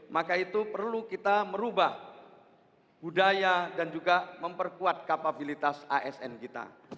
maka itu perlu kita merubah budaya dan juga memperkuat kapabilitas asn kita